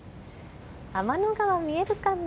天の川見えるかな？